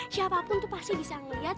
siapapun tuh pasti bisa ngeliat